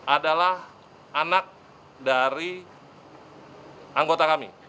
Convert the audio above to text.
adalah anak dari anggota kami